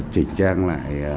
chỉnh trang lại